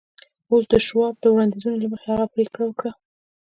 اوس د شواب د وړاندیزونو له مخې هغه پرېکړه وکړه